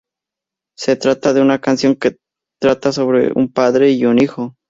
Se trata de una canción que trata sobre un padre y un hijo.